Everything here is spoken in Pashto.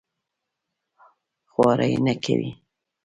خواري نه کوي.